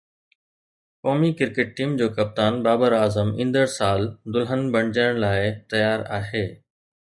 قومي cricket team جو ڪپتان بابر اعظم ايندڙ سال دلہن بڻجڻ لاءِ تيار آهي